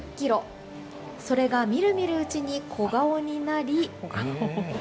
それが見る見るうちに小顔になり。